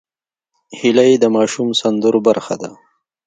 هیلۍ د ماشوم سندرو برخه ده